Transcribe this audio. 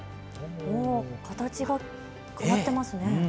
形が変わってますね。